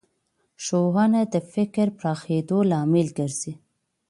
ښوونه د فکر پراخېدو لامل ګرځي